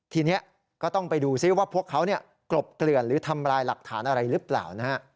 ทีนี้ก็ต้องไปดูซิว่าพวกเขากลบเกลื่อนหรือทำลายหลักฐานอะไรหรือเปล่านะฮะ